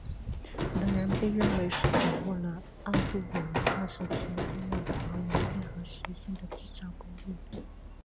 能人被认为是掌握了奥杜韦文化时期利用薄岩片和石芯的制造工艺。